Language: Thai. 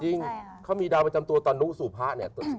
จริงเขามีดาวประจำตัวตานุสู่พระเนี่ย